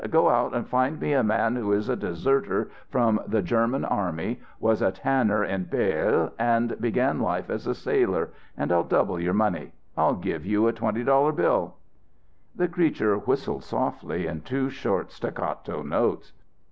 'Go out and find me a man who is a deserter from the German Army, was a tanner in Bâle and began life as a sailor, and I'll double your money I'll give you a twenty dollar bill.' "The creature whistled softly in two short staccato notes.